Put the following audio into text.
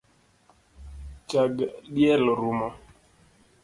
Chag diel orumo